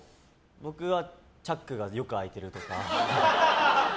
僕はチャックがよく開いてるとか。